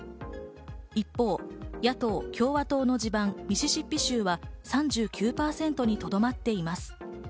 一方、野党・共和党の地盤、ミシシッピ州は３９％にとどまっています。